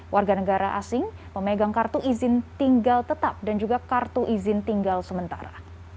warga negara asing memegang kartu izin tinggal tetap dan juga kartu izin tinggal sementara